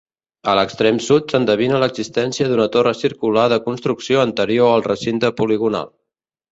A l'extrem sud s'endevina l'existència d'una torre circular de construcció anterior al recinte poligonal.